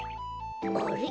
あれ？